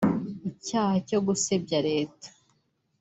icyaha cyo gusebya leta